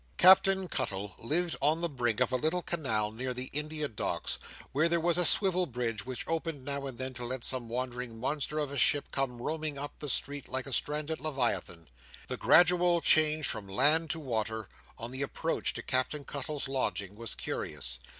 Captain Cuttle lived on the brink of a little canal near the India Docks, where there was a swivel bridge which opened now and then to let some wandering monster of a ship come roaming up the street like a stranded leviathan. The gradual change from land to water, on the approach to Captain Cuttle's lodgings, was curious.